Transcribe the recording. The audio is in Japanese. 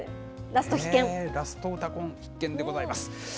ラストうたコン、必見でございます。